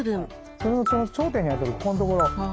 それの頂点に当たるここんところ。